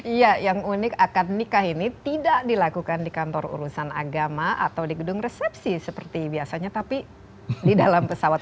iya yang unik akad nikah ini tidak dilakukan di kantor urusan agama atau di gedung resepsi seperti biasanya tapi di dalam pesawat